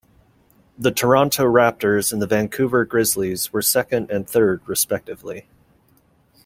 The Toronto Raptors and the Vancouver Grizzlies were second and third respectively.